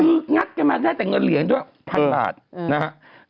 คืองัดกันมาได้แต่เงินเหรียญด้วยพันบาทนะครับ